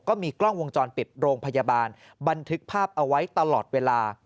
ก็มีกล้องวงจรปิดโรงพยาบาลบันทึกภาพเอาไว้ตลอดเวลา